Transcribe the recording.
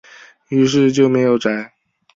於是就没有摘